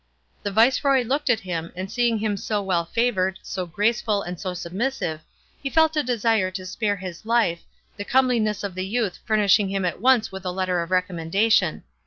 The viceroy looked at him, and seeing him so well favoured, so graceful, and so submissive, he felt a desire to spare his life, the comeliness of the youth furnishing him at once with a letter of recommendation.